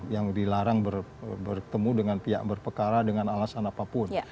yang dilarang bertemu dengan pihak berpekara dengan alasan apapun